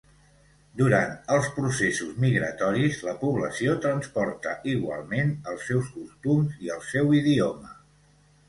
Durant els processos migratoris, la població transporta igualment els seus costums i el seu idioma.